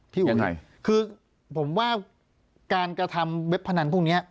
ยังไงคือผมว่าการกระทำเว็บพนันพวกนี้